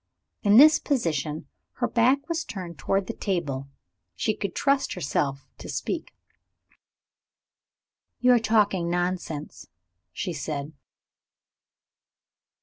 In this position, her back was turned towards the table she could trust herself to speak. "You are talking nonsense!" she said.